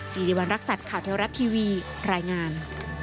สิริวัณรักษัตริย์ข่าวเทวรัฐทีวีรายงาน